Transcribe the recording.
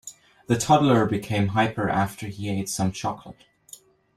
The toddler became hyper after he ate some chocolate.